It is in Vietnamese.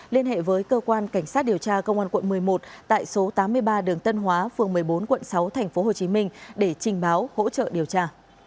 liên hệ với cơ quan cảnh sát điều tra công an quận một mươi một tại số tám mươi ba đường tân hóa phường một mươi bốn quận sáu tp hcm để trình báo hỗ trợ điều tra